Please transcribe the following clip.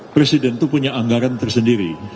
presiden itu punya anggaran tersendiri